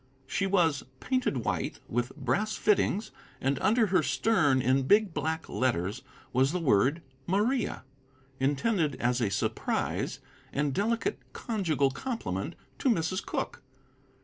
She was, painted white, with brass fittings, and under her stern, in big, black letters, was the word Maria, intended as a surprise and delicate conjugal compliment to Mrs. Cooke.